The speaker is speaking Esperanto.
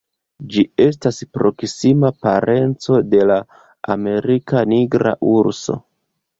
Ĝi estas proksima parenco de la Amerika nigra urso.